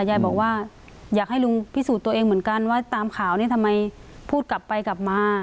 ยายบอกว่าอยากให้ลุงพิสูจน์ตัวเองเหมือนกันว่าตามข่าวนี้ทำไมพูดกลับไปกลับมา